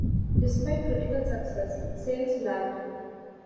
Despite critical success, sales lagged.